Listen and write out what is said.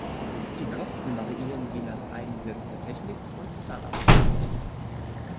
Die Kosten variieren je nach eingesetzter Technik und Zahnarztpraxis.